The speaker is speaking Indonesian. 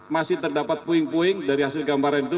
masih terdapat puing puing dari hasil gambaran itu